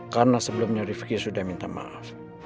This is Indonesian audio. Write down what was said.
karena sebelumnya riefki sudah minta maaf